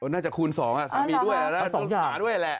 น่าจ๋าคูณสองอ่ะสามีด้วยต้องหาด้วยแหละ